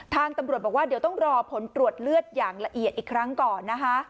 ทางตำรวจบอกว่าเดี๋ยวต้องรอผลตรวจเลือดอย่างละเอียดอีกครั้งก่อนนะคะ